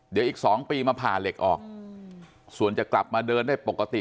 เดี๋ยวอีก๒ปีมาผ่าเหล็กออกส่วนจะกลับมาเดินได้ปกติ